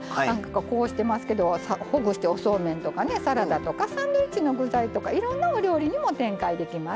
こうしてますけどほぐしておそうめんとかサラダとかサンドイッチの具材とかいろんなお料理にも展開できます。